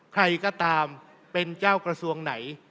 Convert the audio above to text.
ใครก็ตามเป็นเจ้ากระทรวงไหน